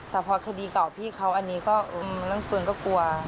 แต่พอคดีเก่าพี่เขาอันนี้ก็เรื่องปืนก็กลัว